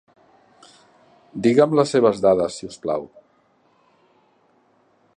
Digue'm les seves dades, si us plau.